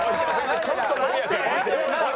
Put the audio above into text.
ちょっと待って！